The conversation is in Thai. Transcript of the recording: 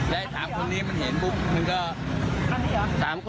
และ๓คนนี้มันเห็นปุ๊บมันก็